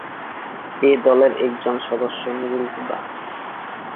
এ দলের একজন সদস্য নুরুল হুদা।